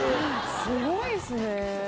すごいですね。